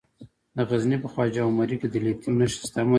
د غزني په خواجه عمري کې د لیتیم نښې شته.